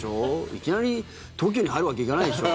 いきなりＴＯＫＩＯに入るわけにいかないでしょ？